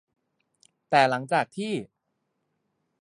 แต่หลังจากที่